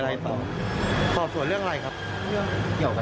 หลังจับผม